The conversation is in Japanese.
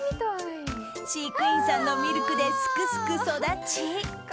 飼育員さんのミルクですくすく育ち